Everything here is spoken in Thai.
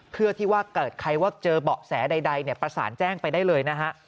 เพื่อที่ว่าเกิดใครว่าเจอเบาะแสใดประสานแจ้งไปได้เลยนะฮะ